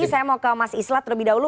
saya mau ke mas islat lebih dahulu